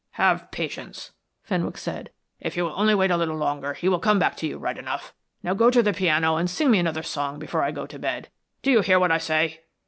"Have patience," Fenwick said. "If you will only wait a little longer he will come back to you right enough. Now go to the piano and sing me another song before I go to bed. Do you hear what I say?"